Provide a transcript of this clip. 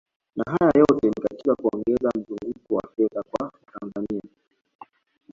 Na haya yote ni katika kuongeza mzunguko wa fedha kwa Watanzania